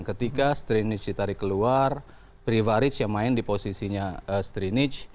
ketika stringic ditarik keluar privaric yang main di posisinya stringic